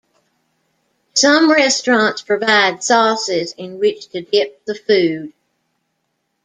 Some restaurants provide sauces in which to dip the food.